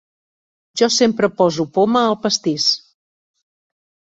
Jo sempre poso poma al pastís.